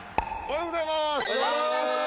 おはようございます。